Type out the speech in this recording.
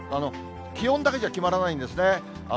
気温だけじゃ決まらないんですね。